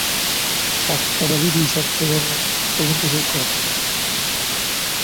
তিনি প্রায়ই বিভিন্ন প্রেক্ষাগৃহে অবস্থান করতেন এবং সেখানে চার্লি চ্যাপলিনের হাস্যরসাত্মক চলচ্চিত্রসমূহ উপভোগ করতেন।